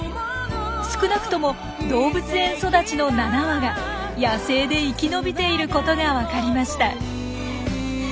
少なくとも動物園育ちの７羽が野生で生き延びていることが分かりました。